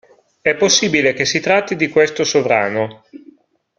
È possibile che si tratti di questo sovrano.